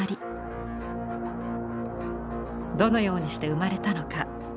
どのようにして生まれたのか。